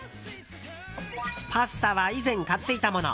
パスタは以前買っていたもの。